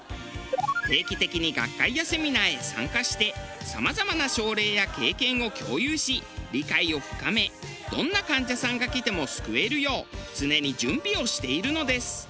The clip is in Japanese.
定期的に学会やセミナーへ参加してさまざまな症例や経験を共有し理解を深めどんな患者さんが来ても救えるよう常に準備をしているのです。